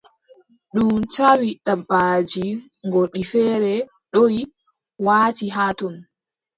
Ndu tawi dabaaji ngorɗi feere ndoʼi, waati haa ton.